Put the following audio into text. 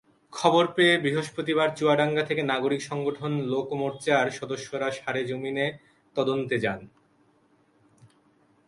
খবর পেয়ে বৃহস্পতিবার চুয়াডাঙ্গা থেকে নাগরিক সংগঠন লোকমোর্চার সদস্যরা সরেজমিনে তদন্তে যান।